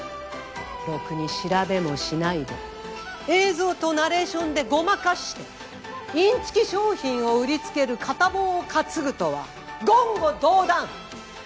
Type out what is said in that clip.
ろくに調べもしないで映像とナレーションでごまかしてインチキ商品を売りつける片棒を担ぐとは言語道断！